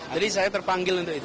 jadi saya terpanggil untuk itu